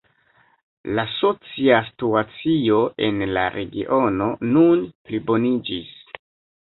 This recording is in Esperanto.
La socia situacio en la regiono nun pliboniĝis.